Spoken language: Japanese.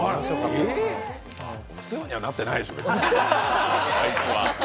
お世話にはなってないでしょう、別に、あいつは。